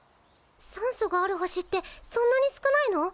酸素がある星ってそんなに少ないの？